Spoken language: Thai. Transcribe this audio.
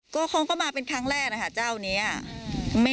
ก็เขาก็มาเป็นครั้งแรกนะคะเจ้านี้